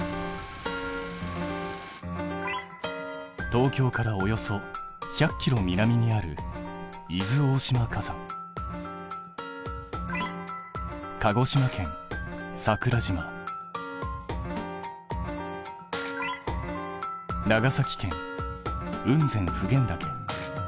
東京からおよそ１００キロ南にある鹿児島県長崎県